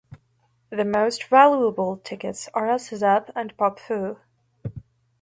The most valuable tickets are Aces Up and Pop Fu.